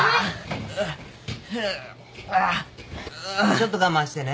ちょっと我慢してね。